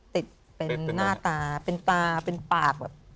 ติดเป็นหน้าตาเป็นปากเป็นปลา